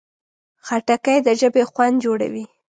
خټکی د ژبې خوند جوړوي.